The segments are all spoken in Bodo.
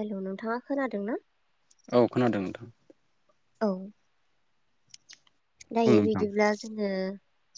हेल', नोंथाङा खोनादों ना? औ खोनादों नोंथां। औ। बुं दायो नोंथां बिदिब्ला जोङो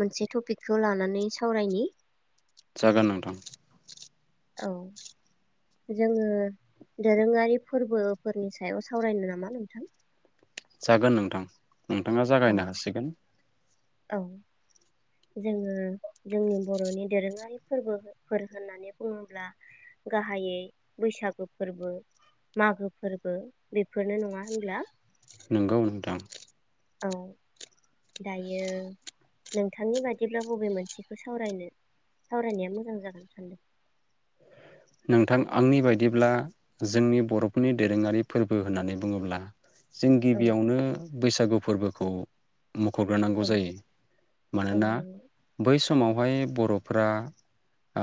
मोनसे टपिकखौ लानानै सावरायनि। जागोन नोंथां। औ, जोङो दोरोङारि फोरबोफोरनि सायाव सावरायनो नामा नोंथां? जागोन नोंथां। नोंथाङा औ जागायनो हासिगोन। औ जोङो जोंनि बर'नि दोरोङारि फोरबोफोर होननानै बुङोब्ला गाहायै बैसागु फोरबो, मागो फोरबो बेफोरनो नङा होनब्ला? नंगौ नोंथां। औ दायो नोंथांनि बादिब्ला बबे मोनसेखौ सावरायनो सावरायनाया मोजां जागोन सानदों? नोंथां आंनि बायदिब्ला जोंनि बर'फोरनि दोरोङारि फोरबो होननानै बुङोब्ला जों औ गिबियावनो बैसागु फोरबो खौ औ मख'ग्रोनांगौ जायो। औ मानोना नंगौ बै स मावहाय बर'फ्रा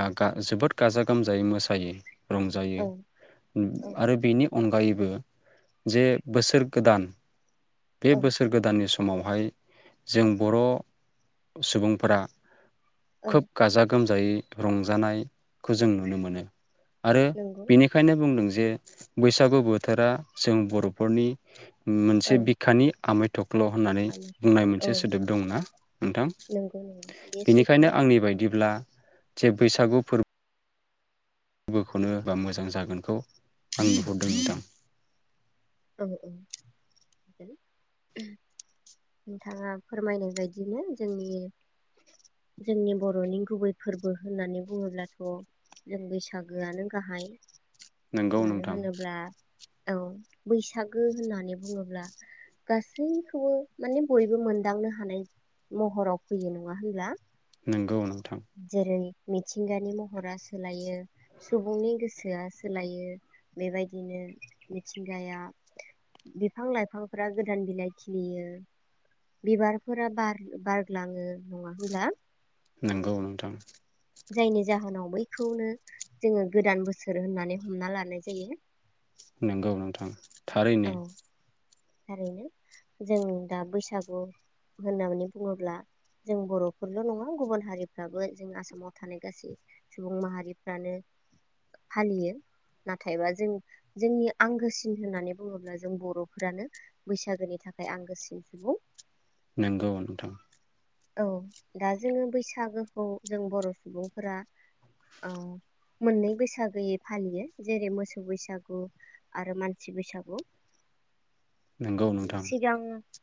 आ गा जोबोद गाजा गोमजायै मो सायो रंजायो औ औ आरो बेनि अनगायैबो जे बोसोर गोदान। बे औ बोसोर गोदाननि स मावहाय जों बर' सुबुंफोरा औ खोब गाजा गोम जायै रंजानायखौ जों नुनो मोनो। आरो नंगौ बेनिखायनो बुंदों जे बैसागु बोथोरा जों बर'फोरनि औ मोनसे बिखानि आमाय थुख्ल' होननानै बुंनाय आलासिखौ औ मोनसे सोदोब दंना नोंथां? नंगौ नंगौ बे सैथो बेनिखायनो आंनि बायदिब्ला जे बैसागु फोर बोख'नो बा मोजां जागोनखौ आं नुहरदों नोंथां। औ औ, नोंथाङा फोरमायनाय बायदिनो जोंनि जोंनि बर'नि गुबै फोरबो होननानै बुङोब्लाथ' जों बैसागोआनो गाहाय। नंगौ मानो नोंथां। होनोब्ला औ। बैसागो होननानै बुङोब्ला गासैखौबो माने बयबो मोनदांनो हानाय महराव फैयो नङा होनब्ला? नंगौ नोंथां। जेरै मिथिंगानि महरा सोलायो, सुबुंनि गोसोया सोलायो, बेबायदिनो मिथिं गाया बिफां लाइफांफोरा गोदान बिलाइ खिलियो बिबारफोरा बारग्लाङो नङा होनब्ला? नोंगौ नोंथां। जायनि जाहोनाव बैखौनो जोङो गोदान बोसोर होननानै हमना लानाय जायो। नोंगौ नोंथां थारैनो। ओरैनो जों दा बैसागु होननानै बुङोब्ला जों बर'फोरल' नङा गुबुन हारिफ्राबो जों आसामाव थानाय गासै सुबुं माहारिफ्रानो फालियो नाथायबा जों जोंनि आंगोसिन होननानै बुङोब्ला जों बर'फोरानो बैसागोनि थाखाय आं गोसोनि सुबुं नंगौ नोंथां। औ दा जोङो बैसागोखौ जों बर' सुबुंफोरा मोननै बैसागोयै फालियो जेरै मोसौ बैसागु आरो मानसि बैसागु। नंगौ नोंथां। सिगां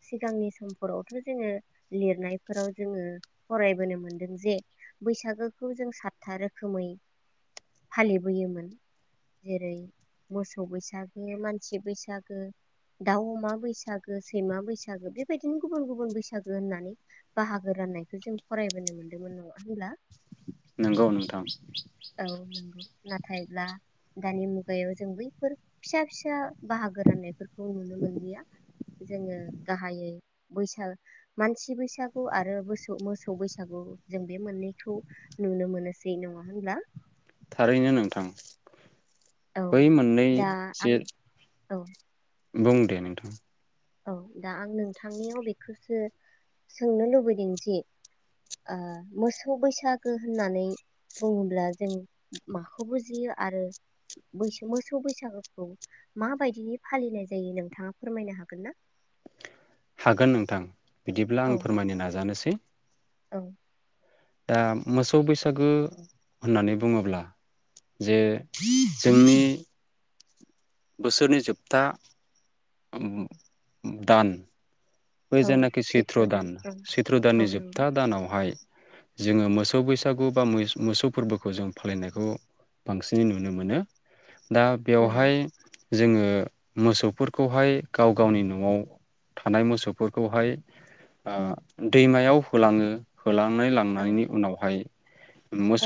सिगांनि समफोरावथ' जोङो लिरनाय फोराव जोङो फरायबोनो मोनदों जे बैसागोखौ जों सातथा रोखोमै फालिबोयोमोन जेरै मोसौ बैसागो, मानसि बैसागो, दाउ -अमा बैसागो, सैमा बैसागो बेबायदिनो गुबुन गुबुन बैसागो होननानै बाहागो राननायखौ जों फरायबोनो मोनदोंमोन नङा होनब्ला? नंगौ नोंथां। औ नंगौ नाथाय ब्ला दानि मुगायाव जों बैफोर फिसा -फिसा बाहागो राननायफोरखौ नुनो मोनलिया जोङो गाहायै बैसाग मानसि बैसागु आरो मोसौ मोसौ बैसागु जों बे मोननैखौ नुनो मोनोसै नङा होनब्ला? थारैनो नोंथां। औ बै मोननै दा आं औ जेरै- बुं दे नोंथां। औ दा आं नोंथांनियाव बेखौसो सोंनो लुबैदों जे मोसौ बैसागो होननानै बुङोब्ला जों माखौ बुजियो आरो मोसौ बैसागोखौ माबायदिै फालिनाय जायो नोंथाङा फोरमायनो हागोन ना? हागोन नोंथां। बिदिब्ला औ आं फोरमायनो नाजानोसै औ। दा मोसौ बैसागो होननानै बुङोब्ला जे जोंनि बोसोरनि जोबथा दान। बै औ जेनाखि सैत्र सैथ्र' दान औ सैत्र औ दाननि नंगौ जोबथा दानावहाय जोङो मोसौ बैसागु बा मोसौ फोरबोखौ जों फालिनायखौ बांसिनै नुनो मोनो। दा बेवहाय नंगौ जोङो मोसौफोरखौहाय गाव गावनि न'आव थानाय मोसौ फोरखौहाय दैमायाव होलाङो होना औ लांनायनि उनावहाय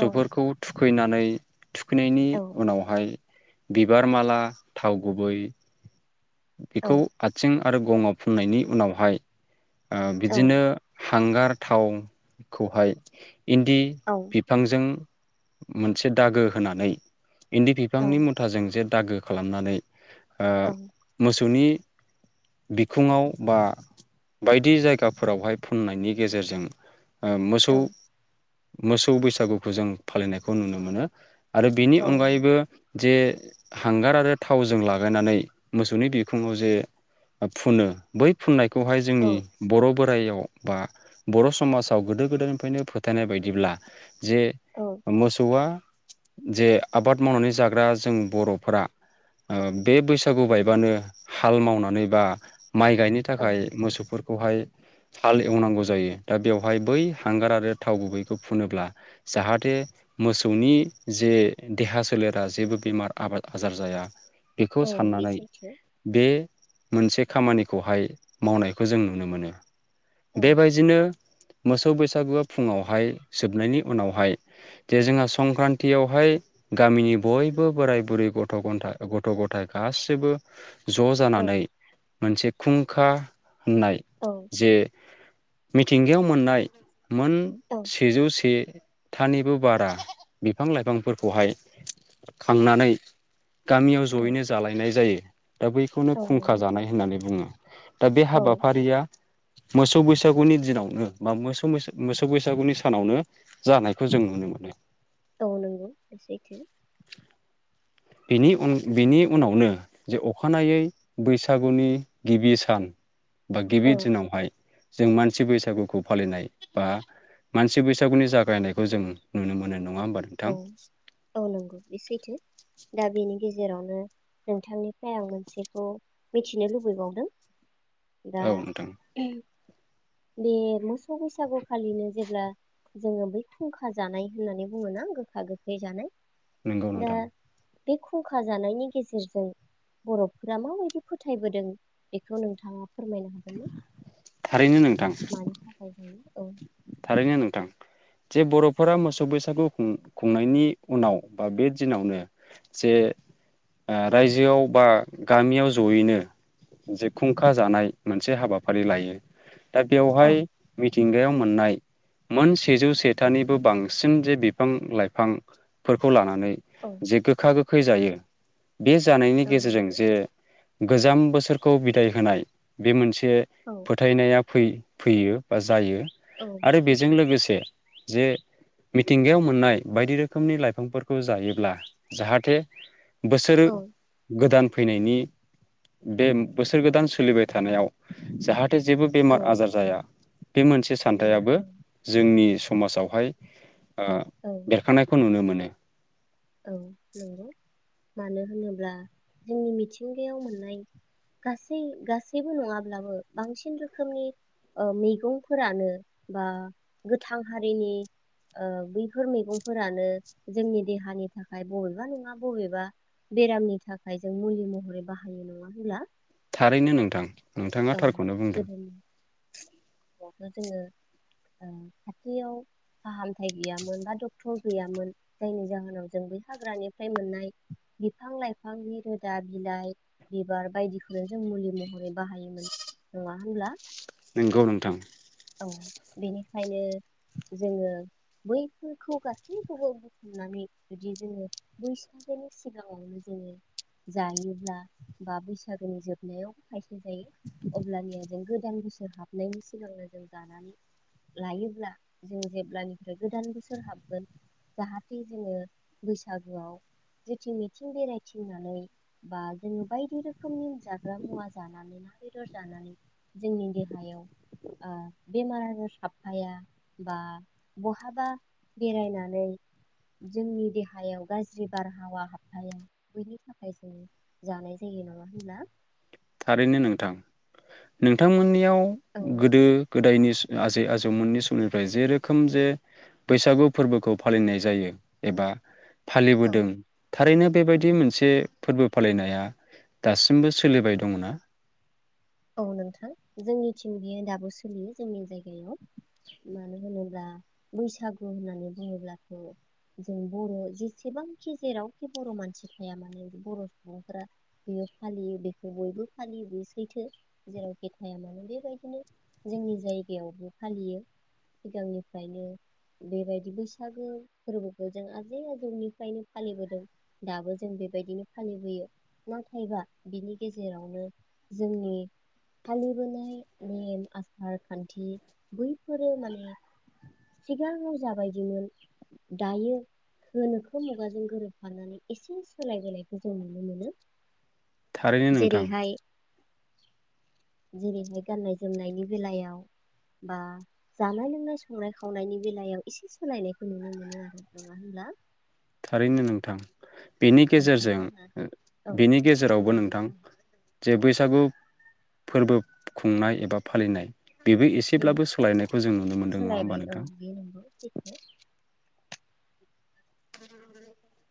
औ थुखैनानै थुखैनायनि औ उनावहाय बिबार माला थाव गुबै औ बेखौ आथिं आरो गङाव फुननायनि उनावहाय बिदिनो हांगार थावखौहाय इन्दि औ बिफांजों मोनसे दागो होनानै इन्दि बिफांनि औ मुथाजों जे दागो खालामनानै औ आबसुनि बिखुङाव बा बायदि जायगाफोरावहाय फुननायनि गेजेरजों ओ औ मोसौ मोसौ बैसागुखौ जों फालिनायखौ नुनो मोनो। आरो बेनि औ नंगौ अनगायैबो जे हांगार आरो थावजों लागायनानै मोसौनि बिखुाव जे फुनो बै फुननाय खौहाय औ जोंनि बर' बोराइयाव बा बर' समाजाव गोदो गोदायनिफ्रायनो फोथायनाय बायदिब्ला जे औ मोसौआ जे आबाद मावनानै जाग्रा जों बर'फोरा बे बैसागु बाय नंगौ बानो हाल मावनानै बा माइ गायनो औ थाखाय मोसौफोर खौहाय हाल एवनांगौ जायो दा बेवहाय बै हांगार आरो थाव गुबैखौ फुनोब्ला जाहाथे मोसौनि जे देहा सोलेरा जेबो बेमार आबाद आजार जाया बेखौ औ बे साननानै सैथो बे मोनसे खामानिखौहाय मावनायखौ जों नुनो मोनो। औ बेबायदिनो मोसौ बैसागुआ फुङावहाय जोबनायनि उनावहाय जे जोंहा संक्रान्तियावहाय गामिनि बयबो बोराय बुरै गथ' गथ गथ' गथायाइ गासैबो ज' औ जानानै मोनसे खुंखा होननाय औ जे मिथिंगायाव मोननाय मोन औ सेजौ से थानिबो बारा बिफां लाइफांफोरखौहाय खांनानै गामियाव औ जयैनो जालायनाय जायो। दा बैखौनो औ खुंखा नंगौ जानाय होननानै बुङो। दा बे औ हाबाफारिया मोसौ बैसागुनि दिनावनो बा मोसौ मोसौ बैसागुनि सानावनो जानायखौ जों नुनो मोनो औ नोंगौ सैथो [inaudible] बिनि उन बिनि उनावनो जे अखानायै बैसागुनि गिबि सान बा गिबि औ दिनावहाय जों मानसि बैसागुखौ फालिनाय बा मानसि बैसागुनि जागायनायखौ जों नुनो मोनो। नङा होमबा नोंथां। औ औ नंगौ बे सैथो दा बेनि गेजेरावनो नोंथांनिफ्राय आं मोनसेखौ मिथिनो लुबैबावदों। दा औ नोंथां बे मोसौ बैसागुखालिनो जेब्ला जोङो बै फुंखा जानाय होननानै बुङोना गोखा गोखै जानाय नोंगौ दा नोंथां। बे खुंखा जानायनि गेजेरजों बर'फोरा माबायदि फोथायबोदों बेखौ नोंथाङा फोरमायनो हागोनना? थारैनो नोंथां। औ। थारैनो नोंथां जे बर'फोरा मोसौ बैसागु खुं-खुंनायनि उनाव बा बे दिनावनो जे रायजोआव बा गामियाव जयैनो जे खुंखा जानाय मोनसे हाबाफारि लायो। दा औ बेवहाय मिथिंगायाव मोननाय मोन सेजौ सेथानिबो बांसिन जे बिफां लाइफांफोरखौ लानानै औ जे गोखा गोखै जायो बे जानायनि औ गेजेरजों नंगौ जे गोजाम बोसोरखौ बिदाय होनाय बे मोनसे से औ फोथायनाया फै फैयो बा जायो। औ बे आरो बेजों सैथो लोगोसे जे मिथिंगायाव मोननाय बायदि रोखोमनि लाइफांफोरखौ जायोब्ला जाहाथे बोसोरो औ गोदान फैनायनि बे बोसोर गोदान सोलिबाय थानायाव जाहाथे जेबो औ बेमार आजार जाया। बे मोनसे जाया थायाबो औ जोंनि समाजावहाय आं औ बेरखानायखौ नुनो मोनो। [inaudible] औ नंगौ मानो होनोब्ला जोंनि मिथिंगायाव मोननाय गासै गासैबो नङाब्लाबो बांसिन रोखोमनि ओ मैगंफोरानो बा गोथां हारिनि ओ बैफोर मैगंफोरानो जोंनि देहानि थाखाय बबेबा नङा बबेबा बेरामनि थाखाय जों मुलि महरै बाहायो नङा होनब्ला। थारैनो नोंथां नोंथाङा औ थारखौनो बुंदों। [inaudible] थ' जोङो खाथियाव फाहामथाय गैयामोन बा डक्टर गैयामोन जायनि जाहोनाव जों बै हाग्रानिफ्राय मोननाय बिफां लाइफांनि रोदा बिलाइ बिबार बायदिखौनो जों मुलि महरै बाहायोमोन नङा होमब्ला। नंगौ नोंथां। औ बेनिखायनो जोङो बैफोरखौ गासैखौबो बुथुमनानै जुदि जोङो बैसागोनि सिगाङावनो जोङो जायोब्ला बा बैसागोनि जोबनायावबो खायसे जायो अब्लानिया जों गोदान बोसोर हाबनायनि सिगां सिगांनो जों जानानै लायोब्ला जों जेब्लानिफ्राय गोदान बोसोर हाबगोन जाहाथे जोङो बैसागुआव जेथिं मिथिं बेरायथिंनानै बा जोङो बायदि रोखोमनि जाग्रा मुवा जानानै ना बेदर जानानै जोंनि देहायाव। ओ बेमार आजार हाबफाया बा बहाबा बेरायनानै जोंनि देहायाव गाज्रि बारहावा हाबफाया बेनि थाखाय जों जानाय जायो नङा होनब्ला थारैनो नोंथां नोंथांमोननियाव औ गोदो गोदायस आजै आजौमोननि समनिफ्राय जेरोखोम जे बैसागु फोरबोखौ फालिनाय जायो एबा औ फालिबोदों थारैनो बेबायदि मोनसे फोरबो फालिनाया दासिमबो सोलिबाय दं। दंङना? औ नोंथां जोंनिथिं बेयो दाबो सोलियो जोंनि जायगायाव। मानो होनोब्ला बैसागु होननानै बुङोब्लाथ' जों बर' जेसेबांखि जेरावखि बर' मानसि थाया मानो बर' सुबुंफोरा बेयो फालियो बेखौ बयबो फालियो बेयो सैथो जेरावखि थाया मानो बेबायदिनो जोंनि जायगायावबो फालियो सिगांनिफ्रायनो बेबायदि बैसागो फोरबोखौ जों आजै आजौनिफ्रायनो फालिबोदों दाबो जों बेबायदिनो फालिबोयो नाथायबा बिनि गेजेरावनो जोंनि फालिबोनाय नेम आसार खान्थि बैफोरो माने सिगाङाव जाबायदिमोन दायो गोनोखो मुगाजों गोरोबफानानै एसे सोलायबोनायखौ जों नुनो मोनो थारैनो नोंथां। जेरैहाय जेरैहाय गाननाय जोमनायनि बेलायाव बा जानाय लोंनाय संनाय खावनायनि बेलायाव एसे सोलानायनायखौ नुनो मोनो आरो नङा होनब्ला? थारैनो नोंथां। बेनि नोंथां जोंना गेजेरजों औ बेनि गेजेरावबो समाबो नोंथां जाबाय जे बैसागु फोरबो खुंनाय एबा फालिनाय बेबो ओं एसेब्लाबो सोलायनायखौ जों नुनो मोन्दों नङा सोलायबाय होमबा औ नोंथां? बे नंगौ सैथो [inaudible]